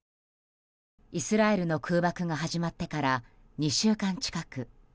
イスラエルの空爆が始まってから２週間近く。